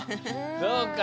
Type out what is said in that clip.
そうか。